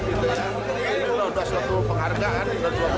ini sudah satu penghargaan